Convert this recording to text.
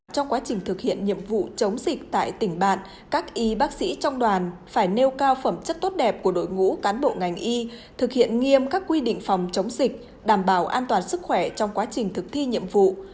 trong quá trình thực hiện nhiệm vụ chống dịch tại tỉnh bạn các y bác sĩ trong đoàn phải nêu cao phẩm chất tốt đẹp của đội ngũ cán bộ ngành y thực hiện nghiêm các quy định phòng chống dịch đảm bảo an toàn sức khỏe trong quá trình thực thi nhiệm vụ